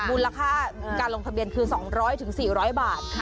มูลค่าการลงทะเบียนคือ๒๐๐๔๐๐บาท